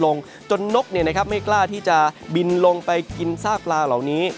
ลดลงจนนกเนี้ยนะครับไม่กล้าที่จะบินลงไปกินซากปลาเหล่านี้